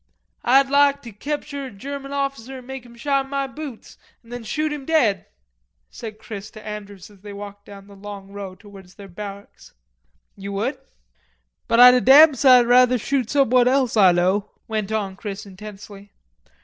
"Ah'd lahk te cepture a German officer an' make him shine ma boots an' then shoot him dead," said Chris to Andrews as they walked down the long row towards their barracks. "You would?" "But Ah'd a damn side rather shoot somebody else Ah know," went on Chris intensely.